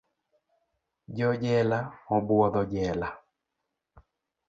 Jo jela obwotho jela.